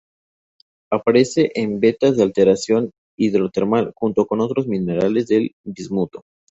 Aparece en vetas de alteración hidrotermal junto con otros minerales del bismuto.